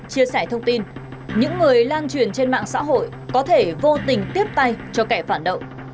chia sẻ thông tin những người lan truyền trên mạng xã hội có thể vô tình tiếp tay cho kẻ phản động